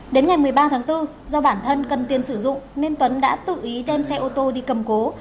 đến ngày một mươi ba tháng bốn do bản thân cần tiền sử dụng nên tuấn đã tự ý đem xe ô tô đi cầm cố